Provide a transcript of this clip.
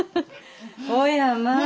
おやまあ。